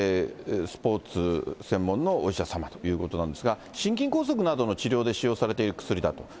スポーツ専門のお医者様ということなんですが、心筋梗塞などの治療で使用されている薬だと。